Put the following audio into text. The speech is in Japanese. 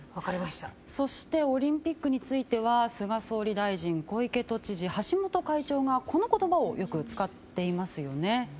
そしてオリンピックについては菅総理大臣小池知事、橋本会長がこの言葉をよく使っていますよね。